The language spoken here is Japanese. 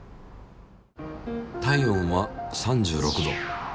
体温は３６℃。